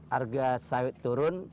harga sawit turun